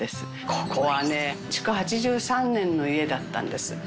ここはね築８３年の家だったんです。